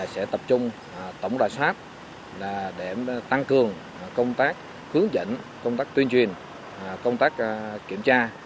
sẽ tập trung tổng đài soát để tăng cường công tác hướng dẫn công tác tuyên truyền công tác kiểm tra